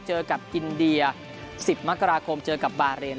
เจอกับอินเดีย๑๐มกราคมเจอกับบาเรน